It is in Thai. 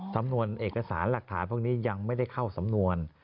สำนวนเอกสารหลักฐานพวกนี้ยังไม่ได้เข้าสำนวน